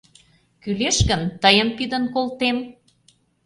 Кӱлеш гын, тыйым пидын колтем.